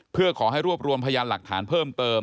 เพื่อขอให้รวบรวมพยานหลักฐานเพิ่มเติม